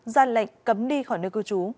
gian lệnh cấm đi khỏi nơi cư trú